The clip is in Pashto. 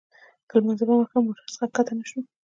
د لمانځه پر مهال موټر څخه ښکته نه شوو.